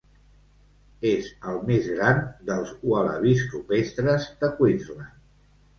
És el més gran dels ualabis rupestres de Queensland.